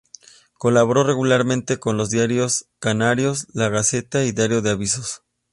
Colaboró regularmente con los diarios canarios "La Gaceta" y "Diario de Avisos".